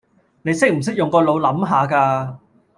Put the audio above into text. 你識唔識用個腦諗吓㗎